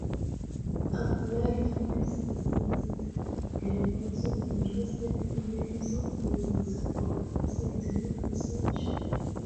Applied physicists can also be interested in the use of physics for scientific research.